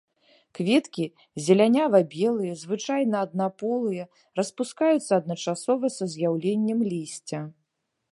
Кветкі зелянява-белыя, звычайна аднаполыя, распускаюцца адначасова са з'яўленнем лісця.